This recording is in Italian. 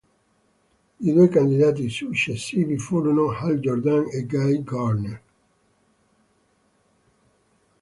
I due candidati successivi furono Hal Jordan e Guy Gardner.